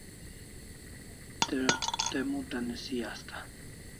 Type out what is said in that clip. Te mut'a nisi asta